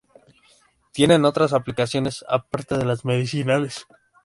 Tienen otras aplicaciones aparte de las medicinales.